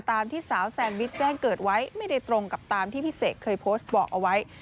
ตามที่สาวแซนวิชแจ้งเกิดไว้ไม่ได้ตรงกับตามที่พี่เสกเคยโพสต์บอกเอาไว้